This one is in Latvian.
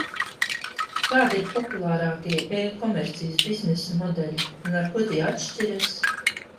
Kādi ir populārākie e-komercijas biznesa modeļi un ar ko tie atšķiras?